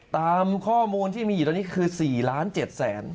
ตามข้อมูลที่มีอยู่ตอนนี้คือ๔ล้าน๗แสน